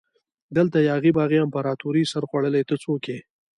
دلته یاغي باغي امپراتوري سرخوړلي ته څوک يي؟